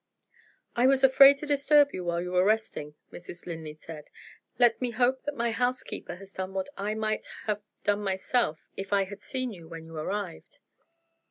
"I was afraid to disturb you while you were resting," Mrs. Linley said. "Let me hope that my housekeeper has done what I might have done myself, if I had seen you when you arrived."